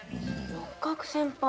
六角先輩。